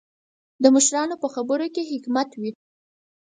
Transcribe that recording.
د مشرانو په خبرو کې حکمت وي.